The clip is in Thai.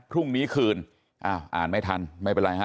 พรุ่งนี้คืนอ้าวอ่านไม่ทันไม่เป็นไรฮะ